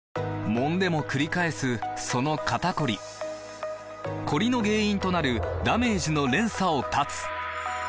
もんでもくり返すその肩こりコリの原因となるダメージの連鎖を断つ！